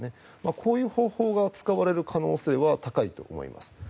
こういう方法が使われる可能性は高いと思います。